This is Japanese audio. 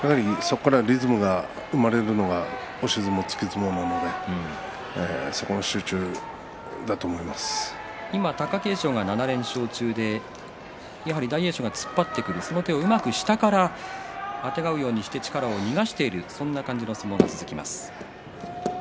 そこからリズムが生まれるのが押し相撲と突き相撲なので今は貴景勝７連勝中でやはり大栄翔が突っ張ってくるその手を下からうまくあてがうようにして力を逃がしている相撲が続きます。